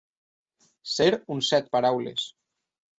Ser en Set paraules.